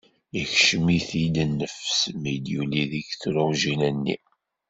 Ikcem-it-id nnefs mi d-yuli deg tedrujin-nni.